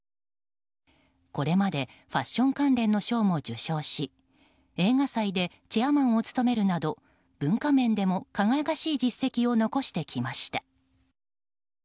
これまでファッション関連の賞も受賞し映画祭でチェアマンを務めるなど文化面でも輝かしい実績を残してきました。